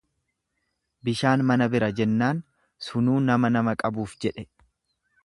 Bishaan mana bira jennaan sunuu nama nama qabuuf jedhe.